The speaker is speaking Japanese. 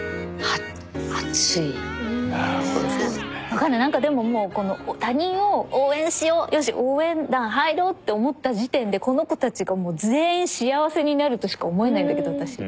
わかんない何かでももう他人を応援しようよし応援団入ろうって思った時点でこの子たちがもう全員幸せになるとしか思えないんだけど私。